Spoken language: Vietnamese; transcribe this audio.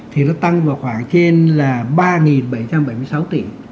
thì nó tăng vào khoảng trên là ba bảy trăm bảy mươi sáu tỷ